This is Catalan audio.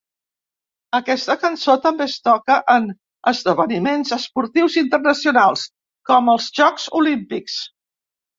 Aquesta cançó també es toca en esdeveniments esportius internacionals com els Jocs Olímpics.